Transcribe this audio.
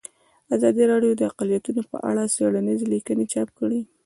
ازادي راډیو د اقلیتونه په اړه څېړنیزې لیکنې چاپ کړي.